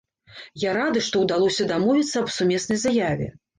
Я рады, што ўдалося дамовіцца аб сумеснай заяве.